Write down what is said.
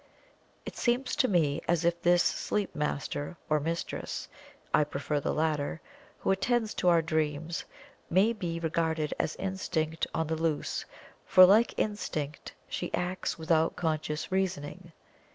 It seems to me as if this sleep master or mistress I prefer the latter who attends to our dreams may be regarded as Instinct on the loose, for like instinct she acts without conscious reasoning.